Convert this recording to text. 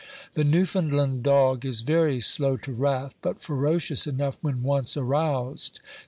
The Newfoundland dog is very slow to wrath, but ferocious enough when once aroused.